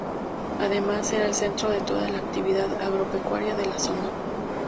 Además era el centro de toda la actividad agropecuaria de la zona.